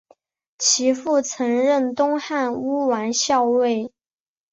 其父曾任东汉乌丸校尉。